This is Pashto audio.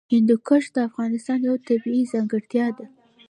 هندوکش د افغانستان یوه طبیعي ځانګړتیا ده.